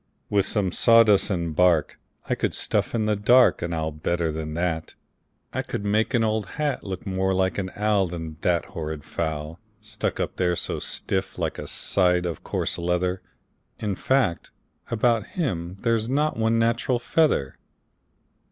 "With some sawdust and bark I could stuff in the dark An owl better than that. I could make an old hat Look more like an owl Than that horrid fowl, Stuck up there so stiff like a side of coarse leather. In fact, about him there's not one natural feather."